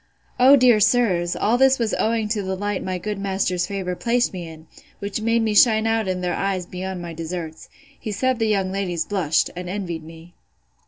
O, dear sirs! all this was owing to the light my good master's favour placed me in, which made me shine out in their eyes beyond my deserts. He said the young ladies blushed, and envied me.